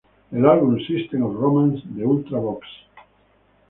El álbum "Systems of Romance" de Ultravox.